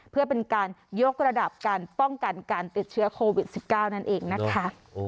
เพื่อเป็นการยกระดับการป้องกันการติดเชื้อโควิด๑๙นั่นเองนะคะ